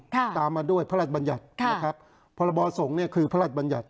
ตามมาด้วยพระราชบัญญัติค่ะนะครับพรบสงฆ์เนี่ยคือพระราชบัญญัติ